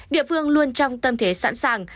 địa phương luôn trong tâm thế sẵn sàng